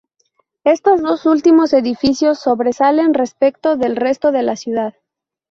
Estos dos últimos edificios sobresalen respecto del resto de la ciudad.